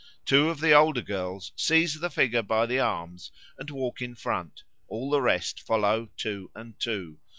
Two of the older girls seize the figure by the arms and walk in front: all the rest follow two and two.